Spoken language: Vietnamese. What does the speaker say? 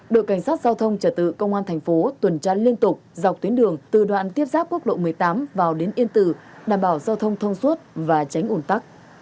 đội cảnh sát giao thông trả tự công an thành phố tuần tra liên tục dọc tuyến đường từ đoạn tiếp giáp quốc lộ một mươi tám vào đến yên tử đảm bảo giao thông thông suốt và tránh ủn tắc